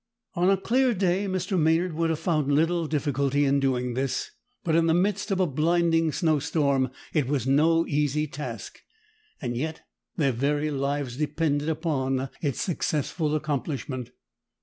On a clear day Mr. Maynard would have found little difficulty in doing this, but in the midst of a blinding snowstorm it was no easy task; yet their very lives depended upon its successful accomplishment.